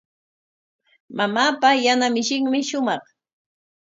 Mamaapa yana mishinmi shumaq.